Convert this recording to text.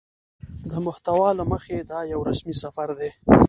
د محتوا له مخې دا يو رسمي سفر دى